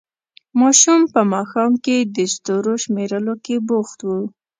ماشوم په ماښام کې د ستورو شمېرلو کې بوخت وو.